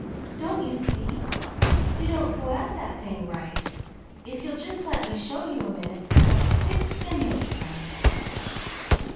"Don't you see? You don't go at that thing right. If you'll just let me show you a minute, we'll have it fixed in no time!"